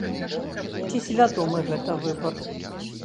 Ці свядомы гэта выбар?